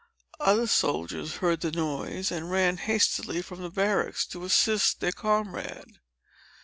Other soldiers heard the noise, and ran hastily from the barracks, to assist their comrade.